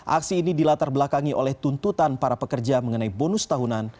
aksi ini dilatar belakangi oleh tuntutan para pekerja mengenai bonus tahunan